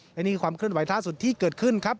และนี่ความเคลื่อนไหวล่าสุดที่เกิดขึ้นครับ